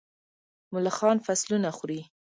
ملخان فصلونه خوري.